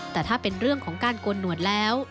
แต่ถ้าเป็นเรื่องของการโกนหนวดแล้ว